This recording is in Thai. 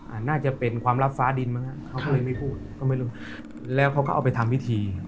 น่าจะเป็นความลับฟ้าดินมั้งเขาก็เลยไม่พูดก็ไม่รู้แล้วเขาก็เอาไปทำพิธี